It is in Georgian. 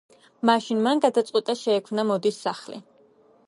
მაშინ მან გადაწყვიტა შეექმნა მოდის სახლი.